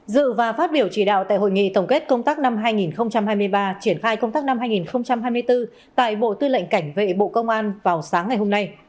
dự và phát biểu chỉ đạo tại hội nghị tổng kết công tác năm hai nghìn hai mươi ba triển khai công tác năm hai nghìn hai mươi bốn tại bộ tư lệnh cảnh vệ bộ công an vào sáng ngày hôm nay